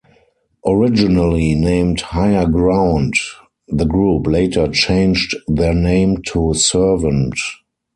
Originally named "Higher Ground", the group later changed their name to Servant.